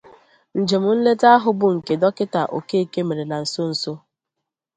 Njem nleta ahụ bụ nke Dọkịta Okeke mere na nsonso